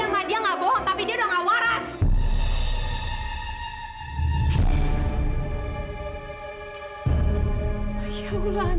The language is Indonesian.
ma apa yang dia sih